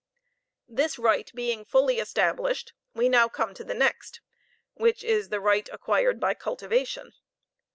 This right being fully established, we now come to the next, which is the right acquired by cultivation.